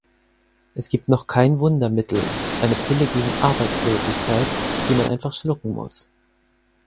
Es gibt noch kein Wundermittel, eine Pille gegen Arbeitslosigkeit, die man einfach schlucken muss.